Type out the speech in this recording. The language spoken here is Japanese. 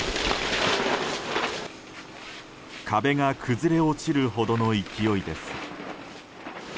壁が崩れ落ちるほどの勢いです。